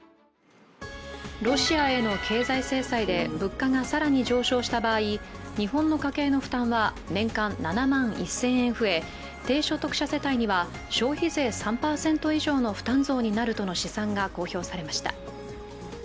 ロシアへの経済制裁で物価が更に上昇した場合日本の家計の負担は年間７万１０００円増え低所得者世帯には消費税３％以上の負担増になるとの試算が公表されました。